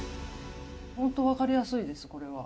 本当分かりやすいです、これは。